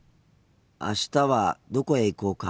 あしたはどこへ行こうか？